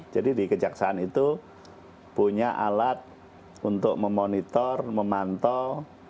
jadi di kejaksaan itu punya alat untuk memonitor memantau